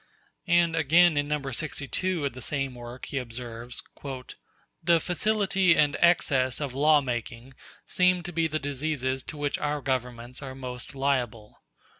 And again in No. 62 of the same work he observes: "The facility and excess of law making seem to be the diseases to which our governments are most liable.